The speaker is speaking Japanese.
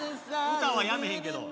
歌はやめへんけど。